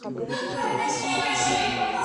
د نورو په معتقداتو ملنډي وهل روا نه دي.